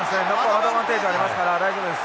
アドバンテージありますから大丈夫です。